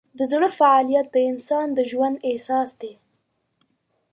د زړه فعالیت د انسان د ژوند اساس دی.